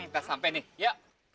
kita sampai nih ya